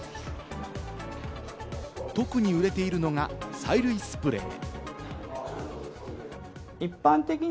特に売れているのが催涙スプレー。